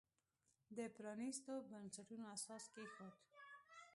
د پرانیستو بنسټونو اساس کېښود.